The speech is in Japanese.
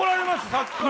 さっきから。